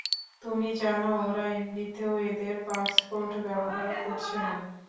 তুমি জানো ওরা এমনিতেও ওদের পাসপোর্ট ব্যবহার করছে না।